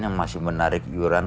yang masih menarik yuran